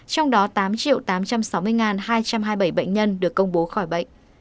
trong đó tám tám trăm sáu mươi hai trăm hai mươi bảy bệnh nhân được công bố khỏi bệnh